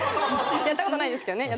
やったことないですけどね。